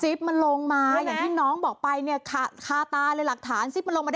ซิฟล์ลมันลงมาอย่างที่น้องบอกไปเนี่ยคาตาเลยหลักฐาน